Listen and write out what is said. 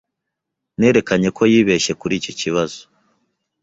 Nerekanye ko yibeshye kuri iki kibazo.